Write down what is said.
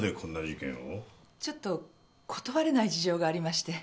ちょっと断れない事情がありまして。